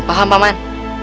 paham pak man